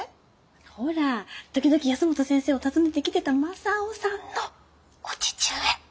ほら時々保本先生を訪ねてきてたまさをさんのお父上。